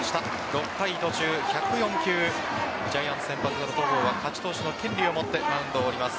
６回途中、１０４球ジャイアンツ先発の戸郷が勝ち投手の権利を持ってマウンドを降ります。